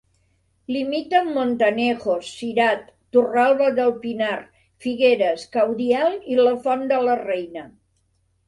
Limita amb Montanejos, Cirat, Torralba del Pinar, Figueres, Caudiel i La Font de la Reina.